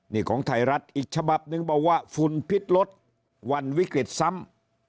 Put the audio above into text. นี่ของไทยรัฐอีกฉบับหนึ่งบอกว่าฝุ่นพิษลดวันวิกฤตซ้ำ